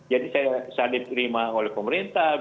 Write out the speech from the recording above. jadi saya di terima oleh pemerintah